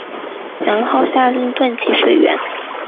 元昊下令断其水源。